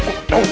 aku nggak usah